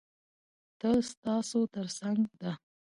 تل ستاسو تر څنګ ده.